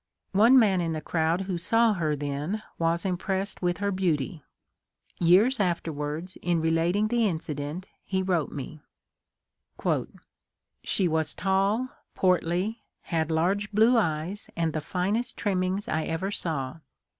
One man in the crowd who saw her then was impressed with her beauty. Years afterwards, in relating the incident, * he wrote me :" She was tall, portlj', had large blue eyes and the finest trimmings I ever saw.